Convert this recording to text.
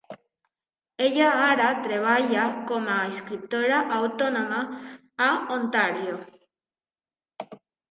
Ella ara treballa com a escriptora autònoma a Ontario.